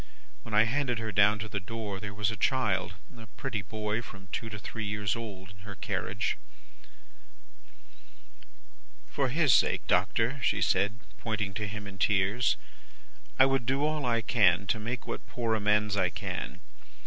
When I handed her down to the door, there was a child, a pretty boy from two to three years old, in her carriage. "'For his sake, Doctor,' she said, pointing to him in tears, 'I would do all I can to make what poor amends I can.